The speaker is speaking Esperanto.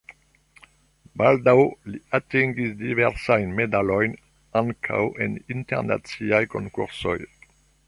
Baldaŭ li atingis diversajn medalojn ankaŭ en internaciaj konkursoj.